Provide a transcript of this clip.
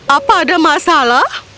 apa ada masalah